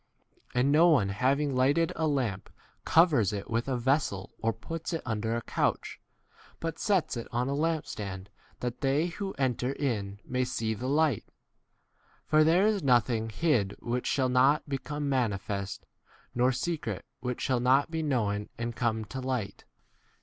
And no one having lighted a lamp covers it with a vessel or puts it under a couch, but sets it on a lamp stand that they who enter in V may see the light. For there is nothing hid which shall not be come manifest, nor secret which shall not be known and come to 18 light.